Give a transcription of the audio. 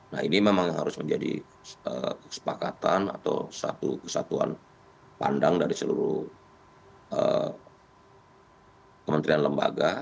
nah ini memang harus menjadi kesepakatan atau satu kesatuan pandang dari seluruh kementerian lembaga